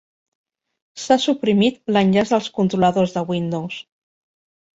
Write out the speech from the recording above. S"ha suprimit l"enllaç dels controladors de Windows.